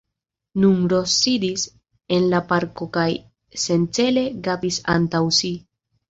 Nun Ros sidis en la parko kaj sencele gapis antaŭ si.